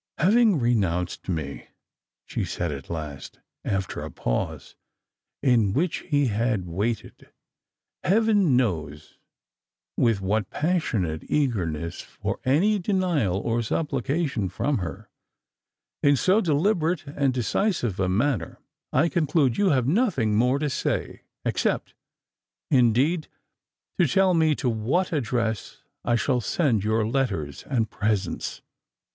'• Having renounced me," she said at last, after a pause, in which he had waited. Heaven knows ^vlth what passionate eager ness, for any denial or supplication from her, "in so deliberate and decisive a manner, I conclude you have nothing more to say — except, indeed, to tell me to what address I shall send your letters and presents."